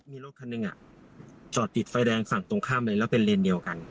มีรถคันหนึ่งจอดติดไฟแดงฝั่งตรงข้ามเลยแล้วเป็นเลนเดียวกัน